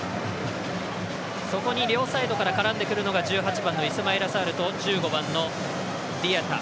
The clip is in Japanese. そこに両サイドから絡んでくるのは１８番のイスマイラ・サールと１５番のディアタ。